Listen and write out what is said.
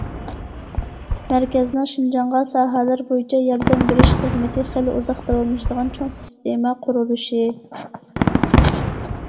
مەركەزنىڭ شىنجاڭغا ساھەلەر بويىچە ياردەم بېرىش خىزمىتى خېلى ئۇزاق داۋاملىشىدىغان چوڭ سىستېما قۇرۇلۇشى.